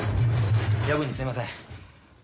夜分にすいません。